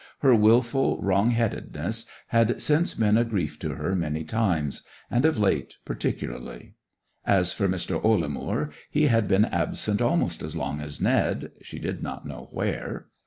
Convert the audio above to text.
Her wilful wrong headedness had since been a grief to her many times, and of late particularly. As for Mr. Ollamoor, he had been absent almost as long as Ned—she did not know where.